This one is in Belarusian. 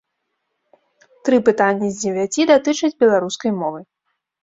Тры пытанні з дзевяці датычаць беларускай мовы.